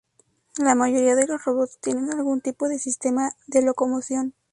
La mayoría de los robots tiene algún tipo de sistema de locomoción.